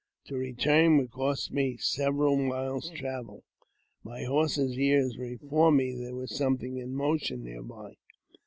To return would cost me several miles travel. My horse's ears informed me there was something in motion near by.